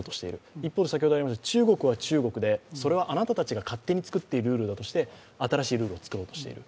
一方で中国は中国でそれはあなたたちが勝手に作っているルールだとして新しいルールを作ろうとしている。